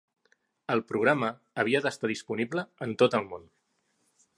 El programa havia d"estar disponible en tot el món.